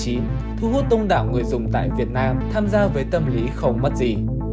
từ năm hai nghìn một mươi chín thu hút tông đảo người dùng tại việt nam tham gia với tâm lý không mất gì